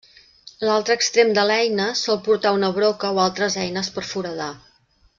L'altre extrem de l'eina sol portar una broca o altres eines per foradar.